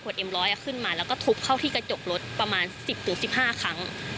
ขวดเอ็มร้อยอะขึ้นมาแล้วก็ทุบเข้าที่กระจกรถประมาณสิบถึงสิบห้าครั้ง